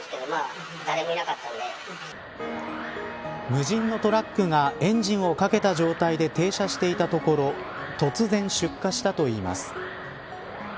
無人のトラックがエンジンをかけた状態で停車していたところ突然、出火したといいます。